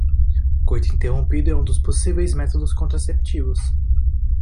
Coito interrompido é um dos possíveis métodos contraceptivos